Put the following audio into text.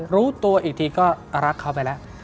รู้ตัวอีกทีก็รักเขาไปแล้ว